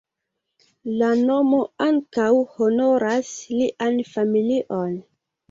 La nomo ankaŭ honoras lian familion.